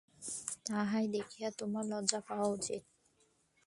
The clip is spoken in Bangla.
তাহাই দেখিয়া তোমার লজ্জা পাওয়া উচিত।